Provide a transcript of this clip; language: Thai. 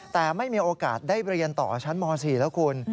แต่ไม่มีโอกาสได้เรียนต่อชั้นม๔แล้วคุณ